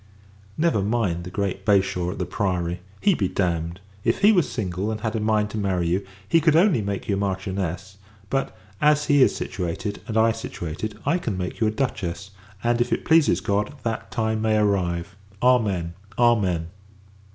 Never mind the great Bashaw at the Priory. He be damned! If he was single, and had a mind to marry you, he could only make you a Marchioness: but, as he is situated, and I situated, I can make you a Duchess; and, if it pleases God, that time may arrive! Amen. Amen.